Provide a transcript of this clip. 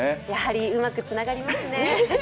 やはりうまくつながりますね。